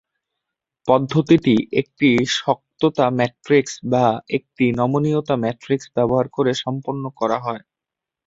পদ্ধতিটি একটি শক্ততা ম্যাট্রিক্স বা একটি নমনীয়তা ম্যাট্রিক্স ব্যবহার করে সম্পন্ন করা হয়।